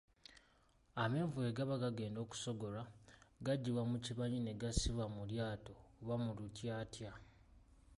Amenvu bwe gaba gagenda okusogolwa, gaggyibwa ku kibanyi ne gassibwa mu lyato oba mu lutyatya.